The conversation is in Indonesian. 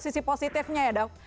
sisi positifnya ya dok